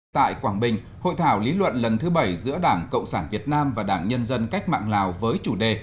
tại quảng bình hội thảo lý luận lần thứ bảy giữa đảng cộng sản việt nam và đảng nhân dân cách mạng lào với chủ đề